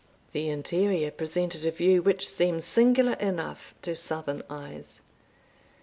The interior presented a view which seemed singular enough to southern eyes.